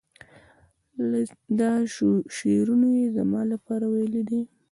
دا شعرونه یې زما لپاره ویلي دي.